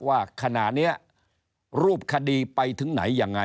ว่าขณะนี้รูปคดีไปถึงไหนยังไง